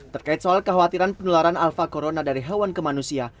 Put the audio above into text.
terkait soal kekhawatiran penularan alfa corona dari hewan ke manusia